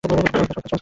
এটা তো খুবই সহজ কাজ।